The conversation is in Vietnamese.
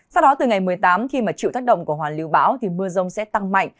sau đó từ ngày một mươi tám khi mà chịu tác động của hoàn lưu bão thì mưa rông sẽ tăng mạnh